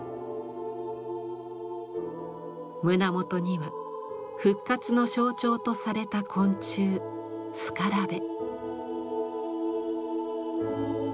胸元には復活の象徴とされた昆虫スカラベ。